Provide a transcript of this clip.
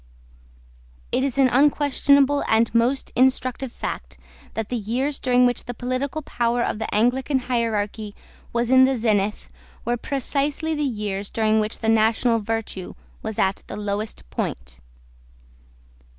It is an unquestionable and a most instructive fact that the years during which the political power of the Anglican hierarchy was in the zenith were precisely the years during which national virtue was at the lowest point.